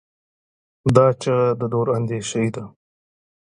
دا چیغه د دوراندیشۍ ده.